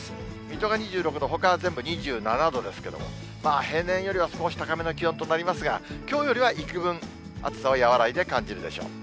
水戸が２６度、ほかは全部２７度ですけれども、平年よりは少し高めな気温となりますが、きょうよりはいくぶん、暑さは和らいで感じるでしょう。